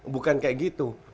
bukan kayak gitu